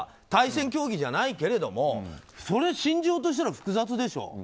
対戦競技じゃないけれどもそれ、心情としては複雑でしょ。